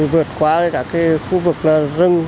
vượt qua các khu vực rừng